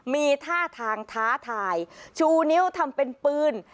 มีท่าทางท้าทายชูนิ้วทำเป็นปืน